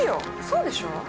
そうでしょ？